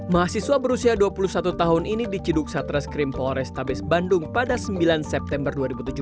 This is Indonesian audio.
mahasiswa berusia dua puluh satu tahun ini diciduk satreskrim polrestabes bandung pada sembilan september dua ribu tujuh belas